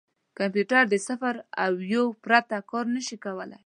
کمپیوټر د صفر او یو پرته کار نه شي کولای.